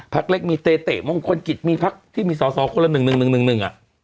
พักเล็กพี่เตะมึงพี่มีพักที่มีซอคนละ๑๑๑๑อะ